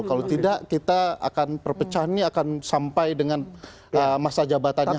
kalau tidak kita akan perpecahan ini akan sampai dengan masa jabatannya